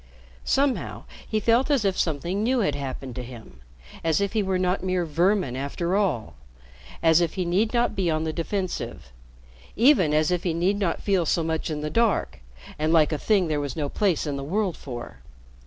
Somehow he felt as if something new had happened to him, as if he were not mere "vermin," after all, as if he need not be on the defensive even as if he need not feel so much in the dark, and like a thing there was no place in the world for.